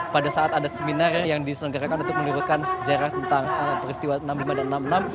pada saat ada seminar yang diselenggarakan untuk meneruskan sejarah tentang peristiwa enam puluh lima dan enam puluh enam